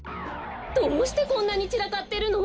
どうしてこんなにちらかってるの？